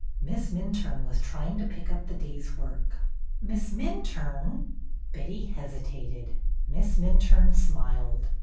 Miss Minturne was trying to pick up the day's work. SUCCESS 311 Miss Minturne —'' Betty hesitated. Miss Minturne smiled.